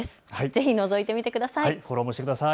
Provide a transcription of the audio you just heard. ぜひのぞいてみてください。